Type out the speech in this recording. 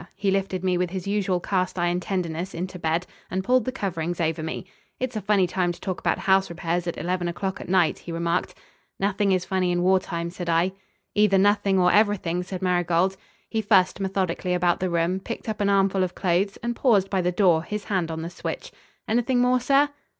He lifted me with his usual cast iron tenderness into bed and pulled the coverings over me. "It's a funny time to talk about house repairs at eleven o'clock, at night," he remarked. "Nothing is funny in war time," said I. "Either nothing or everything," said Marigold. He fussed methodically about the room, picked up an armful of clothes, and paused by the door, his hand on the switch. "Anything more, sir?"